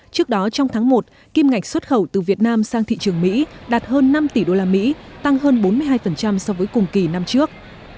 trước đó trong tháng một kim ngạch xuất khẩu từ việt nam sang thị trường mỹ đạt hơn năm tỷ usd tăng hơn bốn mươi hai so với cùng kỳ năm trước